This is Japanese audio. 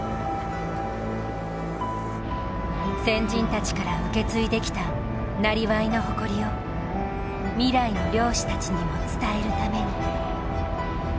先人たちから受け継いできたなりわいの誇りを未来の漁師たちにも伝えるために。